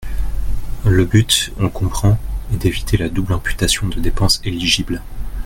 Le but, on le comprend, est d’éviter la double imputation de dépenses éligibles.